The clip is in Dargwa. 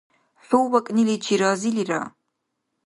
ХӀу вакӀниличи разилира!